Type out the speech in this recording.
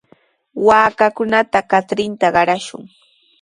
Waakakunata katrinta qarashun.